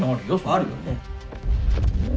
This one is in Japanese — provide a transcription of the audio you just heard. あるよね。